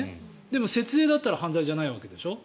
でも、節税だったら犯罪じゃないわけでしょ。